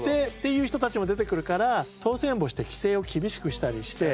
いう人たちも出てくるから通せんぼして規制を厳しくしたりして。